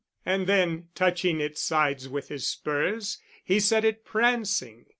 And then, touching its sides with his spurs, he set it prancing.